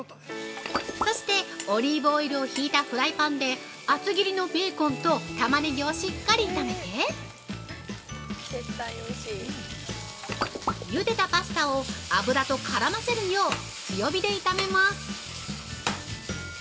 そしてオリーブオイルをひいたフライパンで厚切りのベーコンとタマネギをしっかり炒めてゆでたパスタを油と絡めせるよう強火で炒めます。